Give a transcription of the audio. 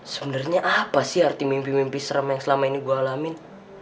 sebenarnya apa sih arti mimpi mimpi serem yang selama ini gue alamin